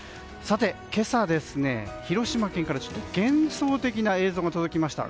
今朝、広島県から幻想的な映像が届きました。